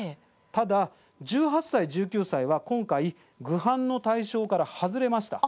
ただ、１８歳、１９歳は今回、ぐ犯の対象から外れました。